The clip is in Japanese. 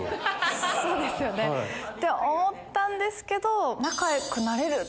そうですよねって思ったんですけど。